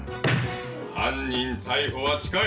犯人逮捕は近い！